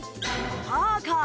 パーカー。